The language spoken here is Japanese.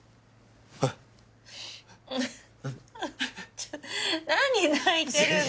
ちょ何泣いてるの？